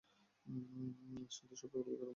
সিদ্ধ বিশেষণ শব্দগুলো ব্যকরণগতভাবে অবিভাজ্য।